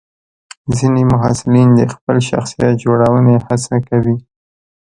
ځینې محصلین د خپل شخصیت جوړونې هڅه کوي.